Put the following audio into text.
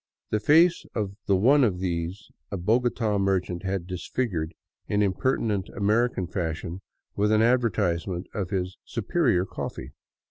The face of the one of these a Bogota merchant had disfigured in impertinent American fashion with an advertisement of his '' superior coffee."